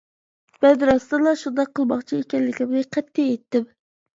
مەن راستتىنلا شۇنداق قىلماقچى ئىكەنلىكىمنى قەتئىي ئېيتتىم.